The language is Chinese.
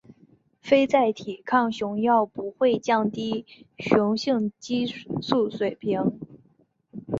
非甾体抗雄药不会降低雌激素水平。